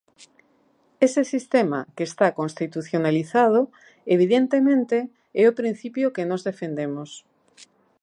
Ese sistema, que está constitucionalizado, evidentemente, é o principio que nós defendemos.